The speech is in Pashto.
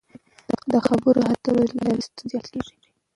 د خبرو اترو له لارې ستونزې حل کړئ.